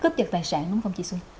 trực tài sản đúng không chị xuân